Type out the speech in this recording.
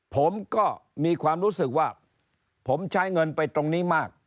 ผมก็มีความรู้สึกว่าผมใช้เงินไปตรงนี้มาก